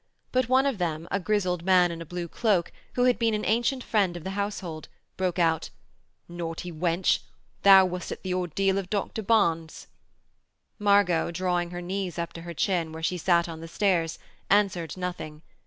But one of them, a grizzled man in a blue cloak, who had been an ancient friend of the household, broke out: 'Naughty wench, thou wast at the ordeal of Dr Barnes.' Margot, drawing her knees up to her chin where she sat on the stairs, answered nothing.